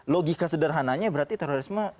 logika sederhananya berarti terorisme